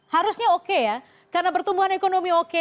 harusnya oke ya karena pertumbuhan ekonomi oke